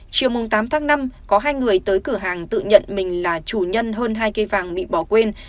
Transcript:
chiều tám tháng năm có hai người tới cửa hàng tự nhận mình là chủ nhân hơn hai cây vàng bị bỏ quên